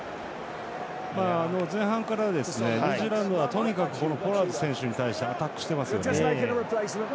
前半からニュージーランドはとにかくポラード選手に対してアタックしてますよね。